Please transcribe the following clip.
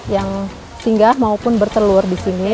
yang singgah maupun bertelur di sini